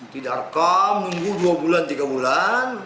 tidak rekam minggu dua bulan tiga bulan